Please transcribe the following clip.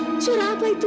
mas suara apa itu